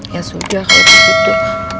ya sudah kalau begitu